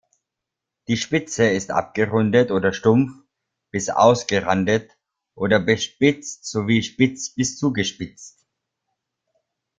Die Spitze ist abgerundet oder stumpf bis ausgerandet oder bespitzt sowie spitz bis zugespitzt.